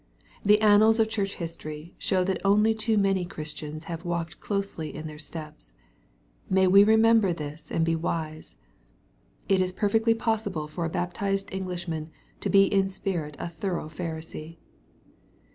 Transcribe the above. The annals of Church history show that only too many Christians have walked closely in their steps. May we remember this and be wise ! It is perfectly possible for a baptised Englishman to be in spirit a thorough Pharisee.